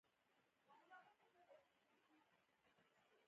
پر سبا يې هغه خپل کور ته ولاړ.